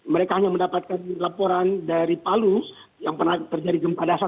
mereka hanya mendapatkan laporan dari palu yang pernah terjadi gempa dasar